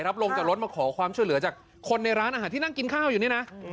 ลงจากรถมาขอความช่วยเหลือจากคนในร้านอาหารที่นั่งกินข้าวอยู่นี่นะ